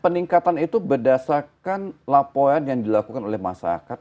peningkatan itu berdasarkan laporan yang dilakukan oleh masyarakat